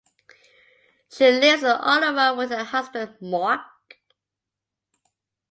She lives in Ottawa with her husband Mark.